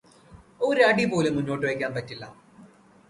ഒരടിപോലും മുന്നോട്ടുവെക്കാൻ പറ്റില്ല.